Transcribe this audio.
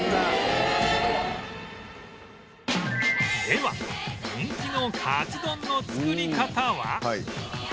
では人気のかつ丼の作り方は